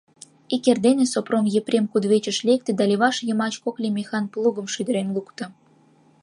Ик эрдене Сопром Епрем кудывечыш лекте да леваш йымач кок лемехан плугым шӱдырен лукто.